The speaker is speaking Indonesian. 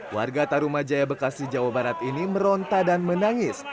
warga tarumajaya bekasi jawa barat ini meronta dan menangis